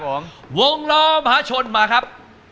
วงล้อมหาชนมาครับ